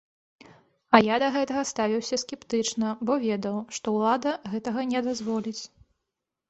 А я да гэтага ставіўся скептычна, бо ведаў, што ўлада гэтага не дазволіць.